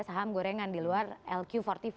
saham gorengan di luar lq empat puluh lima